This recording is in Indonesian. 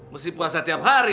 mesti puasa tiap hari